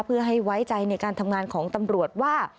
เพื่อให้ไว้ใจในการทำงานของตำรวจว่า